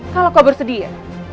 kalau kau bersedia